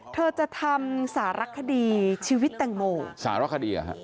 เธอจะทำสารักษณ์คดีชีวิตตังโมสารักษณ์คดีเหรอครับ